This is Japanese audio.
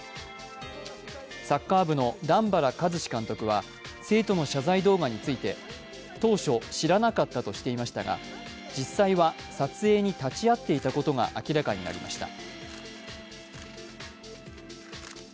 サッカー部の段原一詞監督は生徒の謝罪動画について当初、知らなかったとしていましたが、実際は撮影に立ち会っていたことが明らかになりました。